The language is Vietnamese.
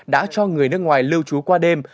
đã cho người nước ngoài lưu trú qua đêm